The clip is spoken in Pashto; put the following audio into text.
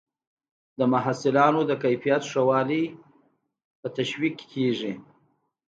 د محصولاتو د کیفیت ښه والی تشویقیږي.